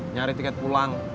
nyari tiket pulang